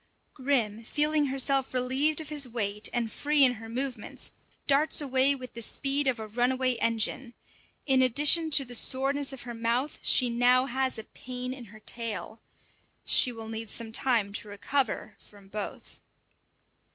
Grim feeling herself relieved of his weight, and free in her movements, darts away with the speed of a run away engine. In addition to the soreness of her mouth, she now has a pain in her tail. She will need some time to recover from both.